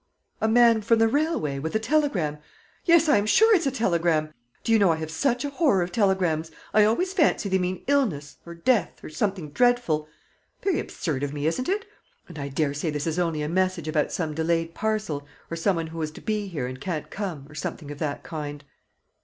"A man from the railway with a telegram yes, I am sure it's a telegram! Do you know, I have such a horror of telegrams! I always fancy they mean illness or death or something dreadful. Very absurd of me, isn't it? And I daresay this is only a message about some delayed parcel, or some one who was to be here and can't come, or something of that kind."